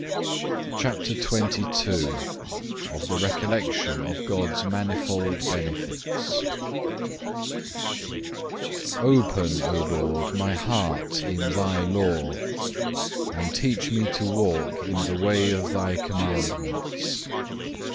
CHAPTER XXII Of the recollection of God's manifold benefits Open, O Lord, my heart in Thy law, and teach me to walk in the way of Thy commandments.